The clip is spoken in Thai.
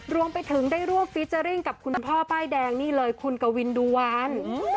รวมไปถึงได้รวบฟิเจอร์ริ่งกับคุณพ่อป้ายแดงนี่เลยคุณกวินดูวัน